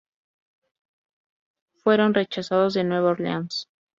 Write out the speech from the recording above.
Fueron rechazados de Nueva Orleans.